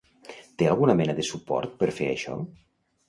Té alguna mena de suport per fer això?